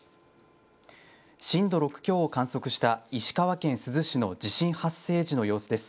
震度６強を観測した石川県珠洲市の地震発生時の様子です。